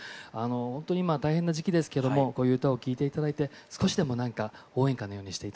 ほんとに今大変な時期ですけどもこういう歌を聴いて頂いて少しでも応援歌のようにして頂けたらと思ってます。